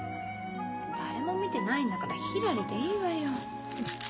誰も見てないんだからひらりでいいわよ。